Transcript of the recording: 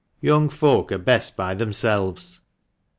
Young folk are best by themselves."